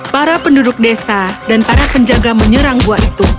para penduduk desa dan para penjaga menyerang buah itu